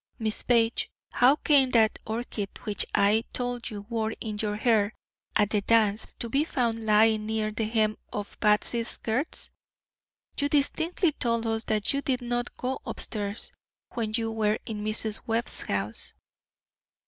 Miss Page, how came that orchid, which I am told you wore in your hair at the dance, to be found lying near the hem of Batsy's skirts? You distinctly told us that you did not go up stairs when you were in Mrs. Webb's house."